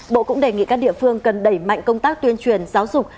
bộ cũng đề nghị các địa phương cần đẩy mạnh công tác tuyên truyền giáo dục